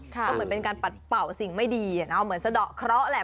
ก็เหมือนเป็นการปัดเป่าสิ่งไม่ดีเหมือนสะดอกเคราะห์แหละ